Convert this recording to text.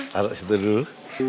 taruh situ dulu